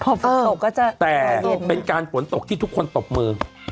พอฝนตกก็จะแต่เป็นการฝนตกที่ทุกคนตบมือ